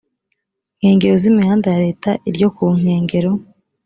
nkengero z imihanda ya leta iryo ku nkengero